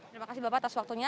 terima kasih bapak atas waktunya